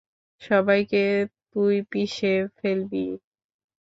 সবাইকে তুই পিষে ফেলবি?